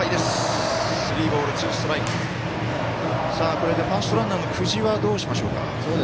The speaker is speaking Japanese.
これで、ファーストランナーの久慈、どうしましょうか。